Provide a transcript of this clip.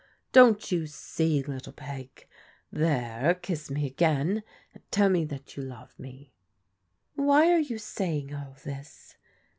Don't you see, little Peg? There, kiss me again and tell me that you love me." " Why are you saying all this